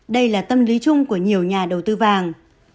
đây là tâm lý chung của nhiều nhà đầu tư vàng